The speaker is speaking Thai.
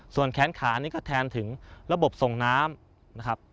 ส่วนแขนขานี่ก็แทนถึงระบบส่งน้ำนะครับ